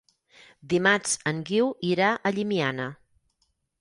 Dimarts en Guiu irà a Llimiana.